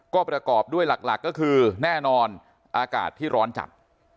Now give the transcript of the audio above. ก็ประกอบด้วยหลักก็คือแน่นอนอากาศที่ร้อนจัด